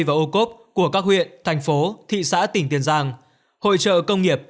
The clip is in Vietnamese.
và ô cốp của các huyện thành phố thị xã tỉnh tiền giang hội trợ công nghiệp